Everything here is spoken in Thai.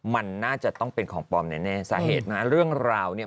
มันน่าจะต้องเป็นของปลอมแน่สาเหตุนะเรื่องราวเนี่ย